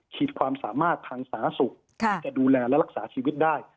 ขีดความสามารถทางสาสุขจะดูแลและรักษาชีวิตได้